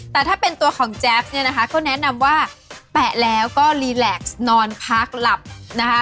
แต่ถ้าเป็นตัวของแจ๊บเนี่ยนะคะก็แนะนำว่าแปะแล้วก็รีแล็กซ์นอนพักหลับนะคะ